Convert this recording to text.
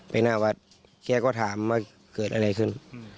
หน้าวัดแกก็ถามว่าเกิดอะไรขึ้น